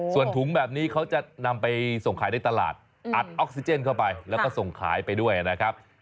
ส่วนถุงแบบนี้เขาจะนำไปส่งขายในตลาดอัดออกซิเจนเข้าไปแล้วก็ส่งขายไปด้วยนะครับ